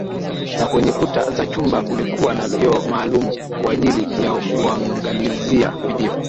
Na kwenye kuta za chumba kulikuwa na vioo maalum kwaajili ya kuangalizia video